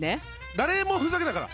誰もふざけないから。